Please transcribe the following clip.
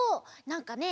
なんかね